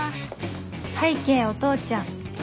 拝啓お父ちゃん